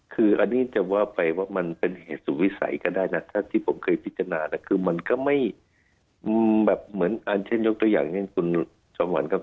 คืออันนี้จะว่าไปว่ามันเป็นเหตุสู่วิสัยก็ได้นะถ้าที่ผมเคยพิจารณานะคือมันก็ไม่แบบเหมือนอันเช่นยกตัวอย่างเช่นคุณสมหวังครับ